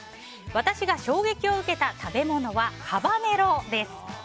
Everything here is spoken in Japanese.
私が衝撃を受けた食べ物はハバネロです。